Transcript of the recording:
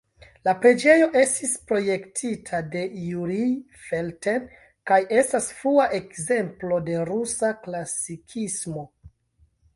La preĝejo estis projektita de Jurij Felten kaj estas frua ekzemplo de rusa klasikismo.